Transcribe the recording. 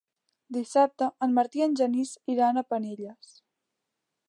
Dissabte en Martí i en Genís iran a Penelles.